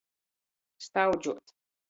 Staudžuot.